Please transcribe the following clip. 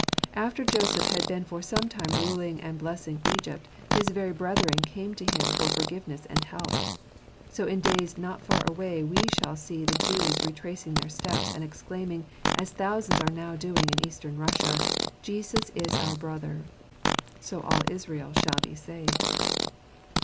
After Joseph had been for some time ruling and blessing Egypt, his very brethren came to him for forgiveness and help ; so in days not far away we shall see the Jews retracing their steps and exclaiming — as thousands are now doing in Eastern Russia —" Jesus is our brother." So all Israel shall be saved